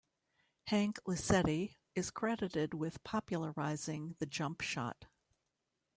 Hank Luisetti is credited with popularizing the jump shot.